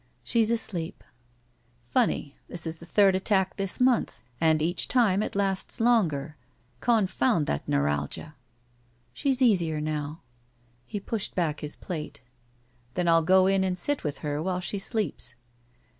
'•She's asleep." "Funny. This is the third attack this month, and each time it lasts longer. Confotmd that neuralgia! " "She's easier now." He pushed back his plate. "Then I'll go in and sit with her while she sleeps."